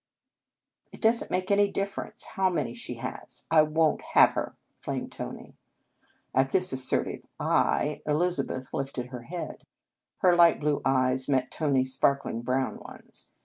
" It does n t make any difference how many she has. I won t have her," flamed Tony. At this assertive " I," Elizabeth lifted her head. Her light blue eyes met Tony s sparkling brown ones.